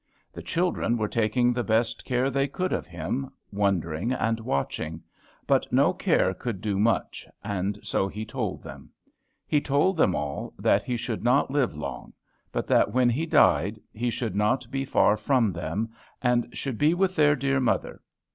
The children were taking the best care they could of him, wondering and watching. But no care could do much, and so he told them. He told them all that he should not live long; but that when he died he should not be far from them, and should be with their dear mother.